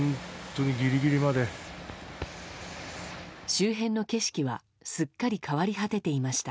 周辺の景色はすっかり変わり果てていました。